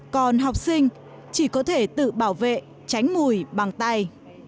còn học sinh chỉ có thể tự bảo vệ tránh mùi bằng tay